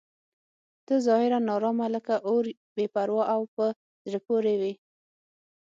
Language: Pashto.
ته ظاهراً ناارامه لکه اور بې پروا او په زړه پورې وې.